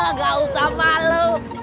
nggak usah malu